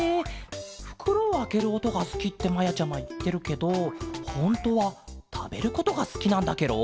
ふくろをあけるおとがすきってまやちゃまいってるけどほんとはたべることがすきなんだケロ？